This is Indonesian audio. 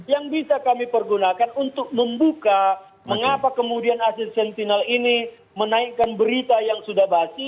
yang bisa kami pergunakan untuk membuka mengapa kemudian aset sentinel ini menaikkan berita yang sudah basi